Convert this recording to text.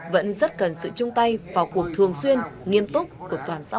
vẫn rất cần sự chung tay vào cuộc thường xuyên nghiêm túc của toàn xã hội